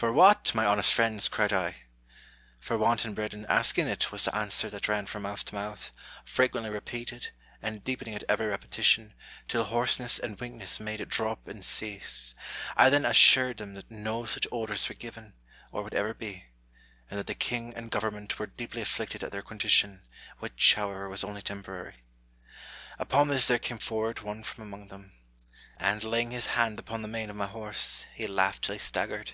" For what ? my honest friends !" cried I. " For wanting bread and asking it," was the answer that ran from mouth to mouth, frequently repeated, and deepen ing at every repetition, till hoarseness and weakness made it drop and cease. I then assured them that no such orders were given, or would ever be ; and that the king and government were deeply afflicted at their condition, which, however, was only temporary. Upon this there came forward one from among them ; and, laying his hand upon the mane of my horse, he laughed till he staggered.